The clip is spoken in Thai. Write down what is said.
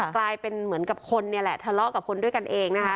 กลายเป็นเหมือนกับคนเนี่ยแหละทะเลาะกับคนด้วยกันเองนะคะ